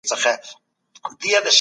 تاسو به د خپل ذهن د کنټرول لاري زده کوئ.